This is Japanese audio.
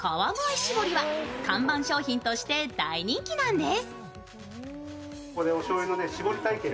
しぼりは看板商品として大人気なんです。